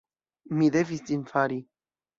Mi devis ĝin fari.